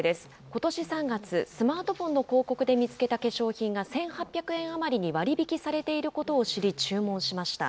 ことし３月、スマートフォンの広告で見つけた化粧品が、１８００円余りに割引されていることを知り注文しました。